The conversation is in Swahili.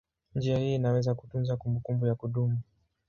Njia hii inaweza kutunza kumbukumbu ya kudumu.